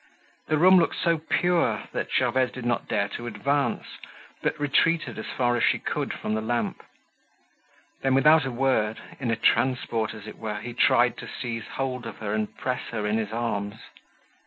The room looked so pure that Gervaise did not dare to advance, but retreated as far as she could from the lamp. Then without a word, in a transport as it were, he tried to seize hold of her and press her in his arms.